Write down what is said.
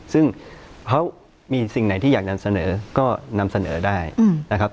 ซึ่งเพราะมีสิ่งไหนที่อยากจะเสนอก็นำเสนอได้นะครับ